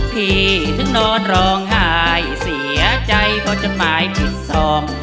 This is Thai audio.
พี่ถึงนอนร่องหายเสียใจพอจดหมายผิดซอง